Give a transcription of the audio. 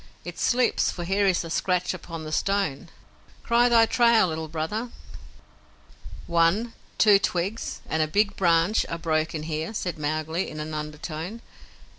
It slips, for here is a scratch upon the stone. Cry thy trail, Little Brother." "One, two twigs and a big branch are broken here," said Mowgli, in an undertone.